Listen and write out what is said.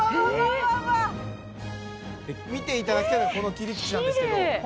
ええっ！で見ていただきたいのはこの切り口なんですけどええっ！